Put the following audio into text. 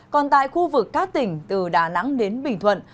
còn tại khu vực các tỉnh từ đà nẵng đến bình thuận